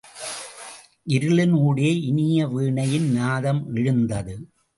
இருளின் ஊடே இனிய வீணையின் நாதம் எழுந்தது.